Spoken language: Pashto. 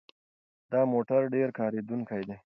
دا موټر ډېر کارېدونکی دی.